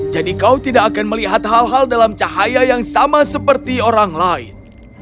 jadi kau tidak akan melihat hal hal dalam cahaya yang sama seperti orang lain